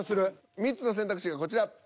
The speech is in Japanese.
３つの選択肢がこちら。